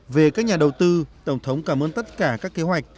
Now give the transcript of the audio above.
về các nhà đầu tư tổng thống cảm ơn tất cả các kế hoạch